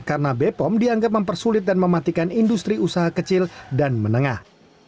karena b pom dianggap mempersulit dan mematikan industri usaha kecil dan menengah